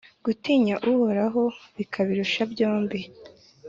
gutinya Uhoraho bikabirusha byombi.